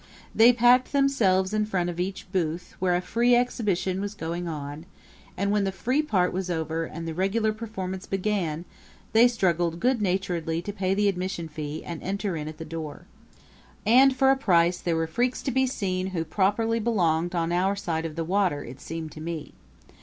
They packed themselves in front of each booth where a free exhibition was going on, and when the free part was over and the regular performance began they struggled good naturedly to pay the admission fee and enter in at the door. And, for a price, there were freaks to be seen who properly belonged on our side of the water, it seemed to me.